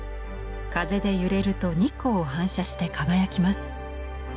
風で揺れると日光を反射して輝きます。